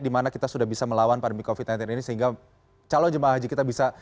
dimana kita sudah bisa melawan pandemi covid sembilan belas ini sehingga calon jemaah haji kita bisa